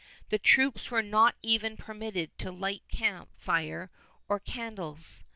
The troops were not even permitted to light camp fire or candles.